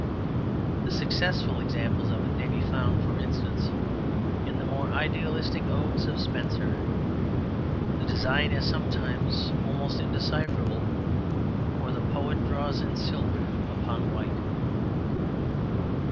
The successful examples of it may be found, for instance, in the more idealistic odes of Spenser. The design is sometimes almost indecipherable, for the poet draws in silver upon white.